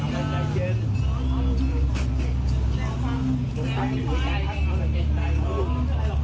เอาแบบเก่งใจไม่ออกอ้าวเอาแบบเก่งใจมาก